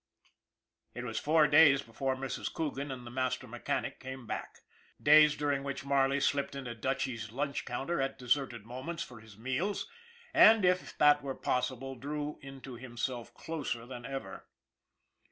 It was four days before Mrs. Coogan and the master mechanic came back. Days during which Mar ley slipped into Dutchy's lunch counter at deserted moments for his meals, and, if that were possible, drew into himself closer than ever.